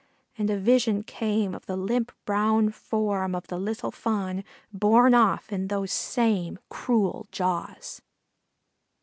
And a vision came of the limp brown form of the little Fawn, borne off in those same cruel jaws.